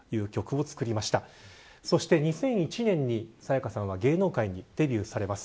２００１年に沙也加さんは芸能界にデビューされます。